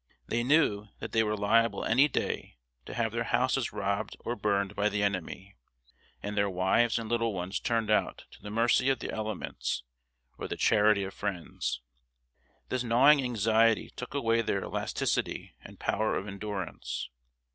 They knew that they were liable any day to have their houses robbed or burned by the enemy, and their wives and little ones turned out to the mercy of the elements, or the charity of friends. This gnawing anxiety took away their elasticity and power of endurance.